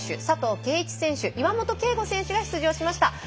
佐藤圭一選手岩本啓吾選手が出場しました。